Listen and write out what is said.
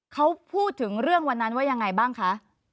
เขาพูดถึงเรื่องวันนั้นว่ายังไงบ้างคะ